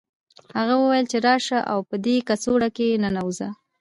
هغه وویل چې راشه او په دې کڅوړه کې ننوځه